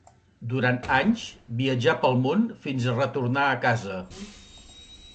Durant anys viatjà pel món fins a retornar a casa.